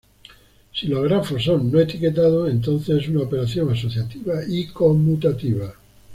Si los grafos son no-etiquetados, entonces es una operación asociativa y conmutativa.